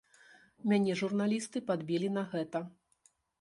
Мяне журналісты падбілі на гэта.